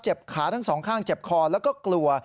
ขาทั้งสองข้างเจ็บคอแล้วก็กลัว